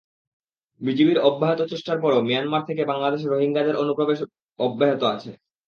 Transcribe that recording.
বিজিবির অব্যাহত চেষ্টার পরও মিয়ানমার থেকে বাংলাদেশে রোহিঙ্গাদের অনুপ্রবেশ অব্যাহত আছে।